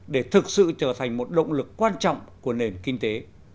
để thực sự trở thành một động lực quan trọng của nền kinh tế